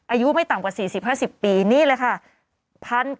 อายุไม่ต่ำกว่า๔๐๕๐ปีนี่แหละค่ะ